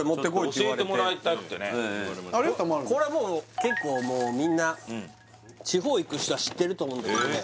これもう結構もうみんな地方行く人は知ってると思うんだけどね